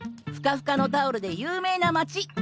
ふかふかのタオルで有名な街。